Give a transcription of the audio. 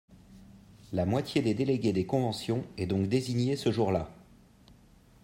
La moitié des délégués des conventions est donc désignée ce jour-là.